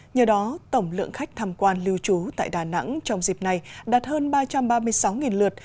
nhờ đó tổng lượng khách tham quan lưu trú tại đà nẵng trong dịp này đạt hơn ba trăm ba mươi sáu lượt